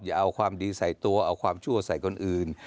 อย่าเอาความดีใส่ตัวเอาความชั่วใส่คนอื่น